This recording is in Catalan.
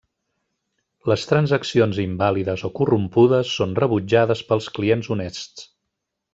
Les transaccions invàlides o corrompudes són rebutjades pels clients honests.